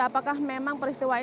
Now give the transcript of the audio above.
apakah memang peristiwa ini